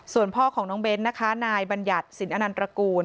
ส่วนพ่อของน้องเบ้นนะคะนายบัญญัติสินอนันตระกูล